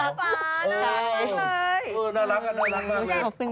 เออน่ารักน่ะเลย